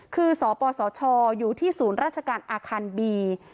คือสปสชอยู่ที่ศูนย์ราชการอาคารบี